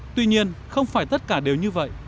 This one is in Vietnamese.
tuy nhiên không phải tất cả đều như vậy